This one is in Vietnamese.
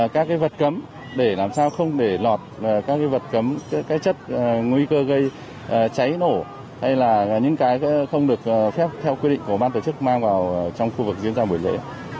các vật cấm để làm sao không để lọt các vật cấm các chất nguy cơ gây cháy nổ hay là những cái không được phép theo quy định của ban tổ chức mang vào trong khu vực diễn ra buổi lễ